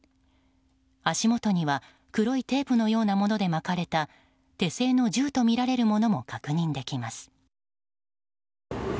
足元には黒いテープのようなもので巻かれた手製の銃とみられるものも確認できます。